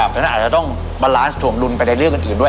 ครับเพราะฉะนั้นอาจจะต้องทวงดุลไปในเรื่องอื่นอื่นด้วย